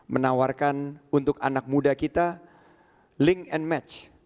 menawarkan untuk anak muda kita link and match